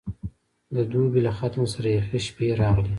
د دوبي له ختمه سره یخې شپې راغلې.